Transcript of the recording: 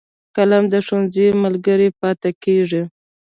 قلم د ښوونځي ملګری پاتې کېږي